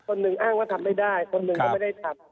หนึ่งอ้างว่าทำไม่ได้คนหนึ่งก็ไม่ได้ทำ